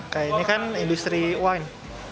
kayak ini kan industri wine